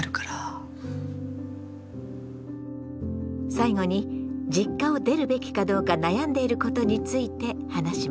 最後に実家を出るべきかどうか悩んでいることについて話しました。